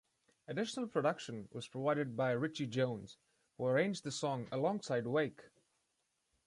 Additional production was provided by Richie Jones, who arranged the song alongside Wake.